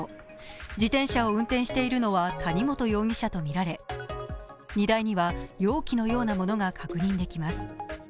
自転車を運転しているのは谷本容疑者とみられ荷台には容器のようなものが確認できます。